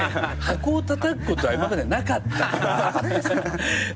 箱をたたくことは今までなかったから。